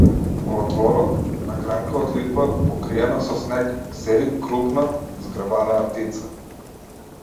Во дворот, на гранка од липа, покриена со снег, седи крупна, згрбавена птица.